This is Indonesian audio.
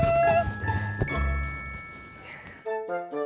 jadi pacar lu